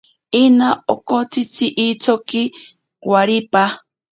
Ina okotsitzi itsoki waripa.